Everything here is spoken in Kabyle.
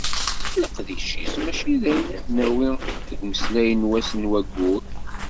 Leqdic-is mačči d ayen ad d-nawi deg umeslay n wass neɣ wayyur.